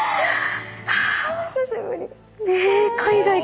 お久しぶり。